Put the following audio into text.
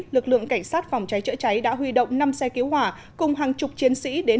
lực lượng cảnh sát phòng cháy chữa cháy đã huy động năm xe cứu hỏa cùng hàng chục chiến sĩ đến